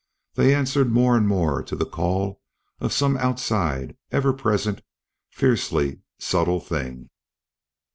They answered more and more to the call of some outside, ever present, fiercely subtle thing.